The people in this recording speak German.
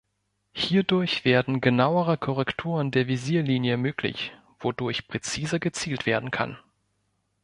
Hierdurch werden genauere Korrekturen der Visierlinie möglich, wodurch präziser gezielt werden kann.